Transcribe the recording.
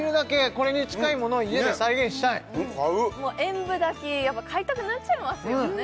これに近いものを家で再現したい買う炎舞炊きやっぱ買いたくなっちゃいますよね